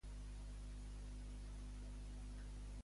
Tardor també rep el nom d'autumne o rerevera.